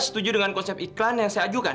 setuju dengan konsep iklan yang saya ajukan